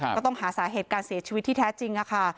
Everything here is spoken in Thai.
ก็ต้องหาสาเหตุการเสียชีวิตที่แท้จริงค่ะ